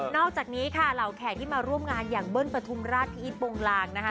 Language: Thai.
อกจากนี้ค่ะเหล่าแขกที่มาร่วมงานอย่างเบิ้ลปฐุมราชพี่อีทโปรงลางนะคะ